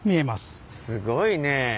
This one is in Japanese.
すごいね。